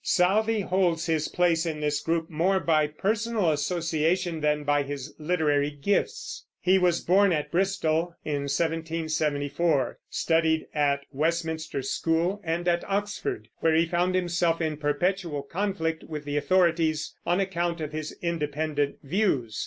Southey holds his place in this group more by personal association than by his literary gifts. He was born at Bristol, in 1774; studied at Westminster School, and at Oxford, where he found himself in perpetual conflict with the authorities on account of his independent views.